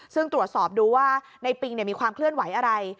ซึ่งตรวจสอบดูว่าในปิงมีความเคลื่อนไหวอะไร